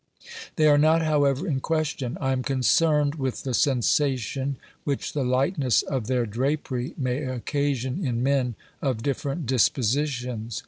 They are not, however, in question : I am concerned with the sensation which the lightness of their drapery may occasion in men of different dispositions.